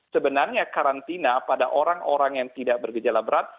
sebenarnya karantina pada orang orang yang tidak bergejala berat